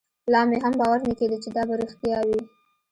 لا مې هم باور نه کېده چې دا به رښتيا وي.